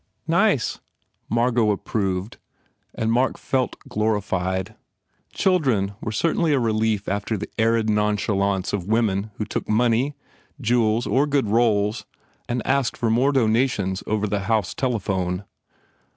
"Nice," Margot approved and Mark felt glorified. Children were certainly a relief after the arid nonchalance of women who took money, jewels or good roles and asked for more dona tions over the house telephone.